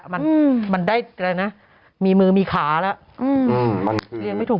มันมันได้อะไรนะมีมือมีขาแล้วมันคือเลี้ยงไม่ถูก